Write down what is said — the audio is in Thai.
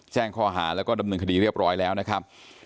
แจ้งข้อหาแล้วก็ดำเนินคดีเรียบร้อยแล้วนะครับ